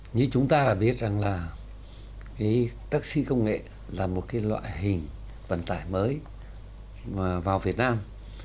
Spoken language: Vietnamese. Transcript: như chúng ta đã biết rằng là cái taxi công nghệ là một loại hình vận tải mới vào việt nam